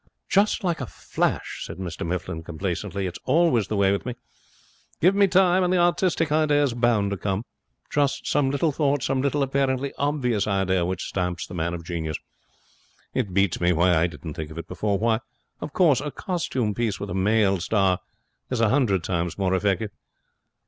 'Just like a flash,' said Mr Mifflin, complacently. 'It's always the way with me. Give me time, and the artistic idea is bound to come. Just some little thought, some little, apparently obvious, idea which stamps the man of genius. It beats me why I didn't think of it before. Why, of course, a costume piece with a male star is a hundred times more effective.'